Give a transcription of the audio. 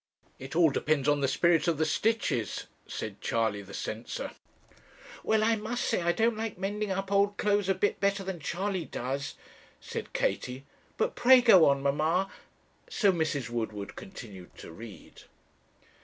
'It all depends on the spirit of the stitches,' said Charley the censor. 'Well, I must say I don't like mending up old clothes a bit better than Charley does,' said Katie; 'but pray go on, mamma;' so Mrs. Woodward continued to read.